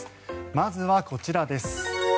まずはこちらです。